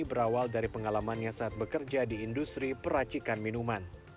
berawal dari pengalamannya saat bekerja di industri peracikan minuman